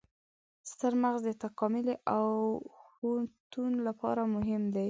ستر مغز د تکاملي اوښتون لپاره مهم و.